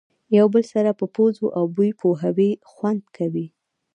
یو بل سره په پوزو او بوی پوهوي خوند کوي.